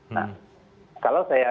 nah kalau saya